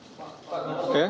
bisa yang dikenal